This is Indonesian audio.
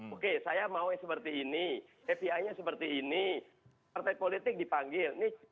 oke saya mau yang seperti ini fbi nya seperti ini partai politik dipanggil